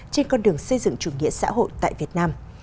trên con đường xây dựng chủ nghĩa xã hội tại việt nam